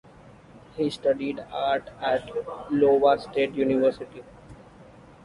He studied art at Iowa State University.